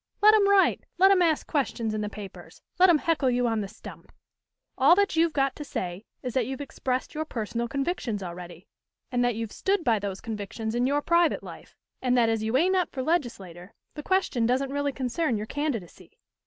"Let 'em write; let 'em ask questions in the papers; let 'em heckle you on the stump. All that you've got to say is that you've expressed your personal convictions already, and that you've stood by those convictions in your private life, and that as you ain't up for legislator, the question don't really concern your candidacy.